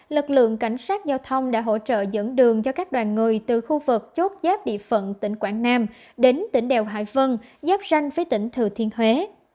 lực lượng cảnh sát giao thông đã hỗ trợ dẫn đường cho các đoàn người từ khu vực chốt giáp địa phận tỉnh quảng nam đến tỉnh đèo hải vân giáp ranh với tỉnh thừa thiên huế